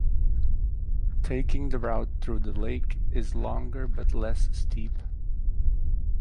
Taking the route through the lake is longer but less steep.